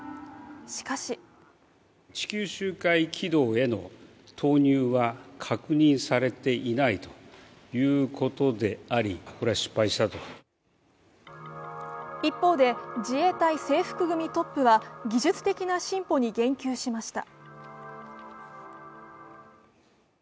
しかし一方で、自衛隊制服組トップは技術的な進歩に言及しました。